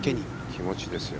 気持ちですよ。